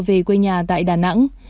về quê nhà tại đà nẵng